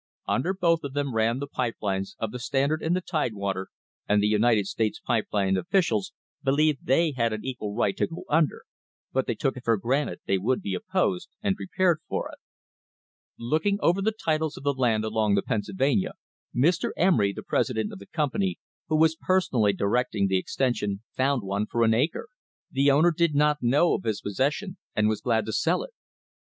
Under both of them ran the pipe lines of the Standard and the Tidewater, and the United States Pipe Line officials believed they had an equal right to go under, but they took it for granted they would be opposed, and prepared for it. Looking over the titles of the land along the Pennsylvania, Mr. Emery, the president of the company, who was personally directing the extension, found one for an acre; the owner did not know of his pos session and was glad to sell it.